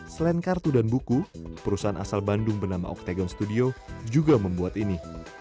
selain kartu dan buku perusahaan asal bandung bernama octagon studio juga membuat ini